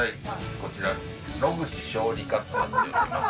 こちら野口小児科となっております。